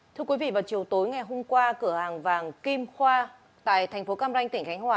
thưa quý vị vào chiều tối ngày hôm qua cửa hàng vàng kim khoa tại thành phố cam ranh tỉnh khánh hòa